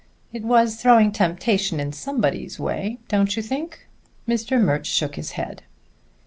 "It was throwing temptation in somebody's way, don't you think?" Mr. Murch shook his head.